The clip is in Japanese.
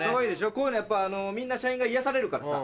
こういうのやっぱみんな社員が癒やされるからさ。